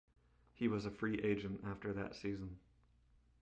He was a free agent after that season.